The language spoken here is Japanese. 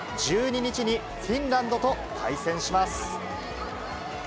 １２日にフィンランドと対戦します。